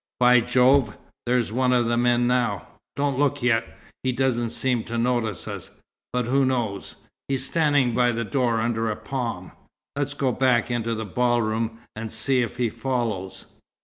By Jove there's one of the men now. Don't look yet. He doesn't seem to notice us, but who knows? He's standing by the door, under a palm. Let's go back into the ball room, and see if he follows."